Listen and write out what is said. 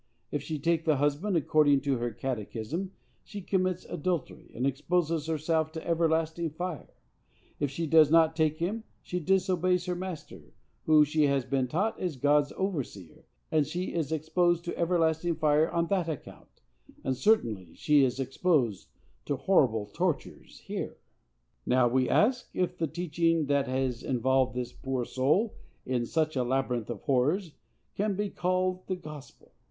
If she take the husband, according to her catechism she commits adultery, and exposes herself to everlasting fire; if she does not take him, she disobeys her master, who, she has been taught, is God's overseer; and she is exposed to everlasting fire on that account, and certainly she is exposed to horrible tortures here. Now, we ask, if the teaching that has involved this poor soul in such a labyrinth of horrors can be called the gospel?